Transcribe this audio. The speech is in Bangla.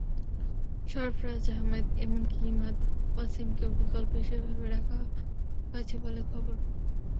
সরফরাজ আহমেদ, এমনকি ইমাদ ওয়াসিমকেও বিকল্প হিসেবে ভেবে রাখা হয়েছে বলে খবর।